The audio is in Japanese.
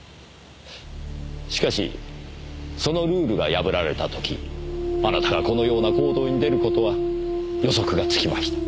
しかしそのルールが破られた時あなたがこのような行動に出る事は予測がつきました。